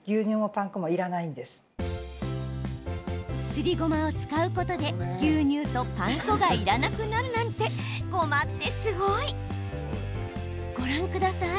すりごまを使うことで牛乳とパン粉がいらなくなるなんてごまってすごい。ご覧ください。